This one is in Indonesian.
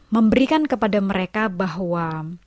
memberikan kepada mereka bahwa